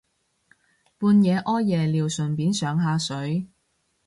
半夜屙夜尿順便上下水